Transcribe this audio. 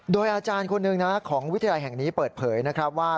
โดยอาจารย์คนหนึ่งนะของวิทยาลัยแห่งนี้เปิดเผยนะครับว่า